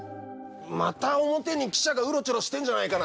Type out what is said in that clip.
また表に記者がウロチョロしてんじゃないかな？